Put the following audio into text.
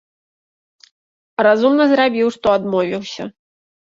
Разумна зрабiў, што адмовiўся.